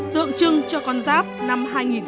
tượng trưng cho con giáp năm hai nghìn hai mươi một